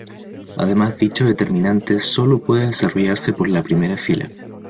Además dicho determinante sólo puede desarrollarse por la primera fila.